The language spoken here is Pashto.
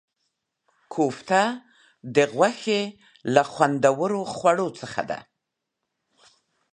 کوفته د غوښې له خوندورو خواړو څخه دی.